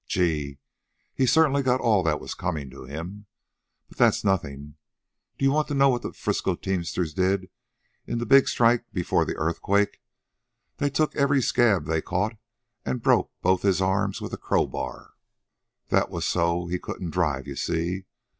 Gee! He certainly got all that was comin' to him. But that's nothin'. D'ye want to know what the Frisco teamsters did in the big strike before the Earthquake? They took every scab they caught an' broke both his arms with a crowbar. That was so he couldn't drive, you see.